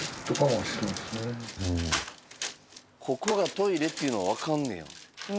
ここがトイレっていうのは分かんねや。